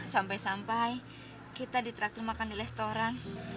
sampai sampai kita diterakter makan di restoran